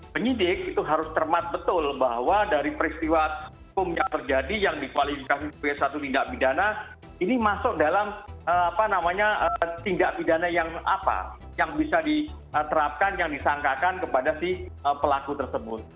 penyidik itu harus cermat betul bahwa dari peristiwa hukum yang terjadi yang dikualifikasi sebagai satu tindak pidana ini masuk dalam tindak pidana yang bisa diterapkan yang disangkakan kepada si pelaku tersebut